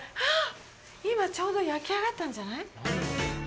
今ちょうど焼き上がったんじゃない？